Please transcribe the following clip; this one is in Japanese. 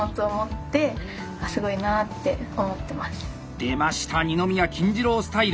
出ました二宮金次郎スタイル。